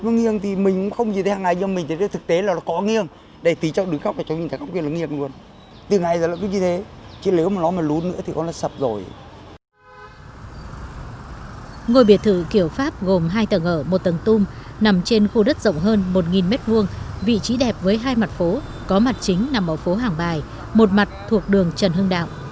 ngôi biệt thự kiểu pháp gồm hai tầng ở một tầng tung nằm trên khu đất rộng hơn một m hai vị trí đẹp với hai mặt phố có mặt chính nằm ở phố hàng bài một mặt thuộc đường trần hưng đạo